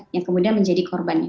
yang kemudian menjadi korbannya